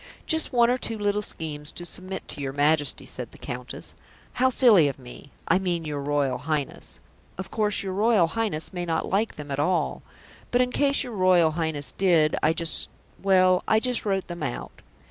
"Just one or two little schemes to submit to your Majesty," said the Countess. "How silly of me I mean, your Royal Highness. Of course your Royal Highness may not like them at all, but in case your Royal Highness did, I just well, I just wrote them out."